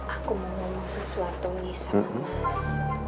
aku mau ngomong sesuatu nih sama mas